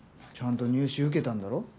ちゃんと入試受けたんだろ。